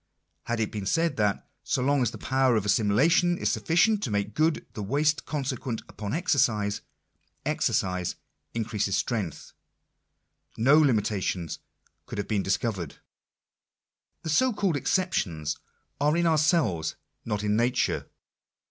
Had it been said that — so long as the power of assimilation is sufficient to make good the waste consequent upon exercise, exercise increases strength — no limi tations could have been discovered. The so called exceptions are in ourselves, not in nature.